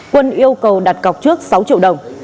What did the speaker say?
quân yêu cầu đặt cọc trước sáu triệu đồng